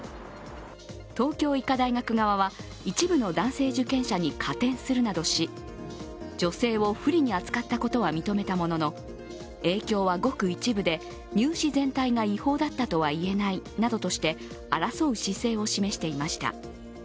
東京医科大学側は一部の男性受験者に加点するなどし、女性を不利に扱ったことは認めたものの影響はごく一部で入試全体が違法だったとは言えないなどとして争う姿勢を示していました。